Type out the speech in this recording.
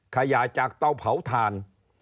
ขยะจากเตาเผาถ่าน